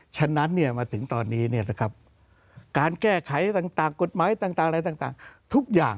ฉะนั้นมาตอนนี้การแก้ไขต่างกฎหมายอะไรทั้งทุกอย่าง